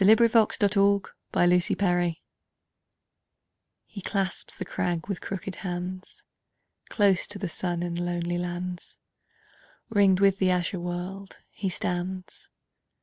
Alfred, Lord Tennyson The Eagle HE CLASPS the crag with crooked hands; Close to the sun in lonely lands, Ring'd with the azure world, he stands.